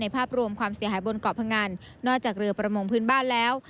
ภาพรวมความเสียหายบนเกาะพงันนอกจากเรือประมงพื้นบ้านแล้ว